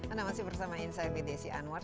anda masih bersama insight with desi anwar